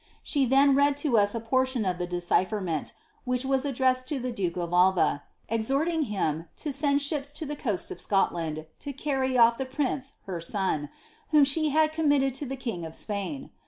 She then read to us a portion of the vnent, which was addressed to the duke of Alva, exhorting him : ships to the coast of Scotland, to carry off the prince h r son, ahe had committed to the king of Spain.